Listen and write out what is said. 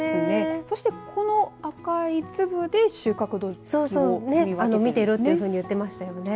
そして、この赤い粒で見ているというふうに言っていましたよね。